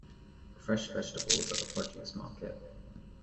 Fresh vegetables at the produce market.